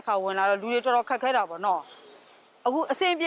ก็ถึงไปพูดว่า